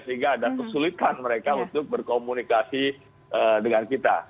sehingga ada kesulitan mereka untuk berkomunikasi dengan kita